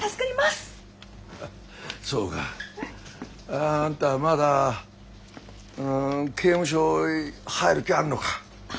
あんたまだ刑務所入る気あるのか？